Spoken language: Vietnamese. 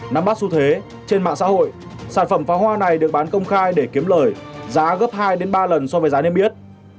nắm bắt xu thế trên mạng xã hội sản phẩm pháo hoa này được bán công khai để kiếm lời giá gấp hai ba lần so với giá niêm yết